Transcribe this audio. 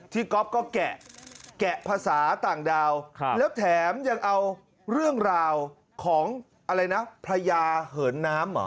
ที่ก๊อปก็แกะภาษาต่างดาวและแถมยังเอาเรื่องราวของพระยาเหินน้ำ